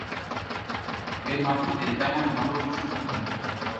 এ মাটিতে তেমন ভাল ফসল হতো না।